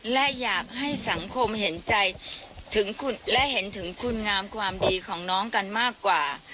และอยากให้สังคมเห็นใจและเห็นถึงคุณงามความดีของน้องกันมากกว่า